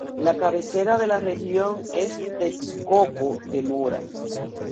La cabecera de la región es Texcoco de Mora.